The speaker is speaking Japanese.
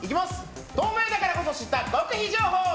透明だからこそ知った極秘情報。